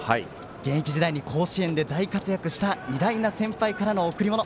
現役時代に甲子園で大活躍した偉大な先輩からの贈り物。